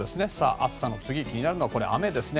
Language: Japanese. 暑さの次に気になるのは雨ですね。